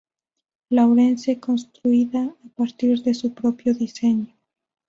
Lawrence construida a partir de su propio diseño.